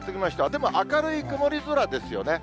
でも明るい曇り空ですよね。